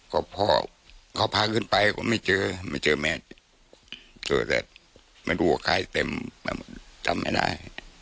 ก็พ่อเขาพาขึ้นไปก็ไม่เจอไม่เจอแม่เจอแต่ไม่รู้ว่าใครเต็มจำไม่ได้